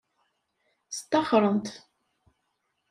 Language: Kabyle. Staxren-t.